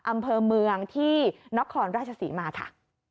เมืองที่น็อคคลราชสีมาค่ะ